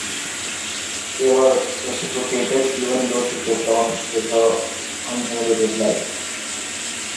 Eva reciprocated, even though she kept on with her uninhibited life.